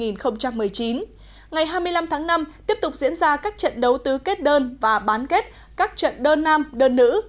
ngày hai mươi năm tháng năm tiếp tục diễn ra các trận đấu tứ kết đơn và bán kết các trận đơn nam đơn nữ